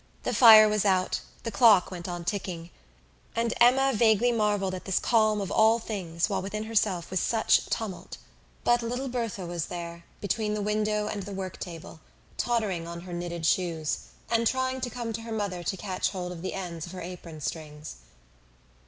The fire was out, the clock went on ticking, and Emma vaguely marvelled at this calm of all things while within herself was such tumult. But little Berthe was there, between the window and the work table, tottering on her knitted shoes, and trying to come to her mother to catch hold of the ends of her apron strings.